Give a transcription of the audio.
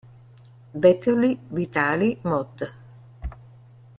Vetterli-Vitali Mod.